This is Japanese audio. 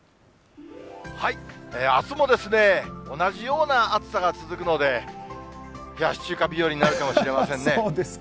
あすもですね、同じような暑さが続くので、冷やし中華日和になるかもしれませんね。